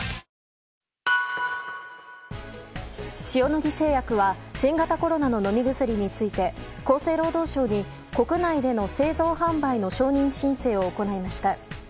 塩野義製薬は新型コロナの飲み薬について厚生労働省に国内での製造・販売の承認申請を行いました。